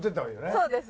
そうです。